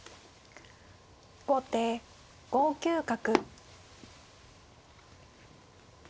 後手５九角。